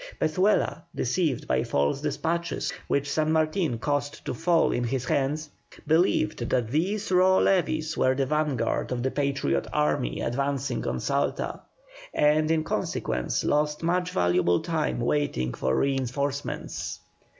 Pezuela, deceived by false despatches which San Martin caused to fall into his hands, believed that these raw levies were the vanguard of the Patriot army advancing on Salta, and in consequence lost much valuable time waiting for reinforcements.